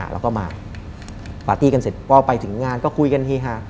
แล้วก็มาปาร์ตี้กันเสร็จก็ไปถึงงานก็คุยกันเฮฮา